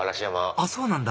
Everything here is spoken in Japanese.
あっそうなんだ